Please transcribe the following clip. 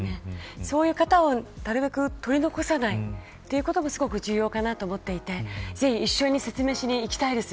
そういう方をなるべく取り残さないことが重要かと思っていてぜひ一緒に説明しに行きたいです。